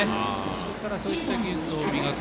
ですから、そういった技術を磨く。